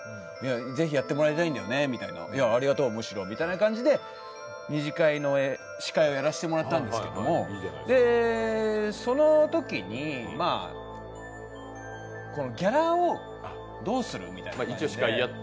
ぜひやってもらいたいんだよね、むしろありがとう、みたいな感じで２次会の司会をやらせてもらったんですけどそのときに、ギャラをどうする？みたいになって。